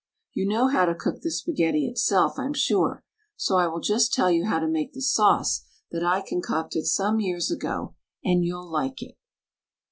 You know how to cook the spaghetti itself, I'm sure, so I will just tell you how to make the sauce that I con cocted some years ago and you'll like it.